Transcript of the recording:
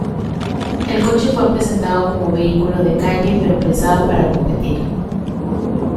El coche fue presentado como vehículo de calle pero pensado para competir.